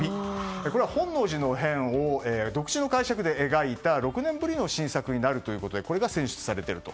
これは本能寺の変を独自の解釈で描いた６年ぶりの新作になるということでこれが選出されていると。